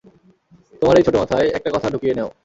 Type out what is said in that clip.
তোমার এই ছোট মাথায়, একটা কথা ঢুকিয়ে নেও।